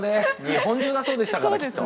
日本中がそうでしたからきっと。